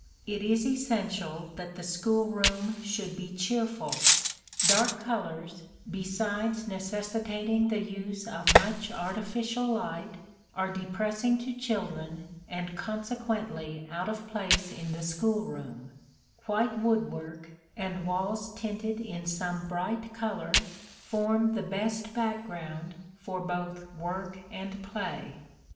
It is essential that the school room should be cheerful. Dark colors, besides necessitating the use of much artificial light, are depressing to children and consequently out of place in the school room: white woodwork, and walls tinted in some bright color, form the best background for both work and play.